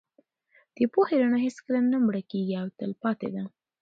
د پوهې رڼا هېڅکله نه مړکېږي او تل پاتې ده.